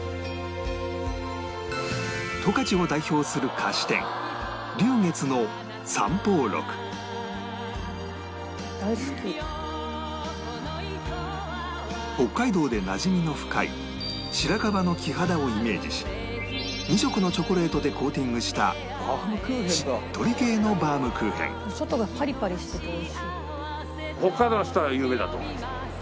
十勝を代表する菓子店北海道でなじみの深い白樺の木肌をイメージし２色のチョコレートでコーティングしたしっとり系のバウムクーヘン外がパリパリしてておいしい。